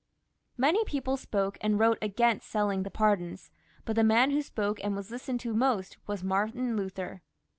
Many people spoke and wrote against selling the pardons, but the man who spoke most ajid was listened to most was Martin Luther.